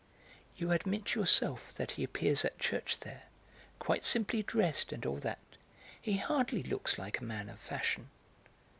"You admit yourself that he appears at church there, quite simply dressed, and all that; he hardly looks like a man of fashion."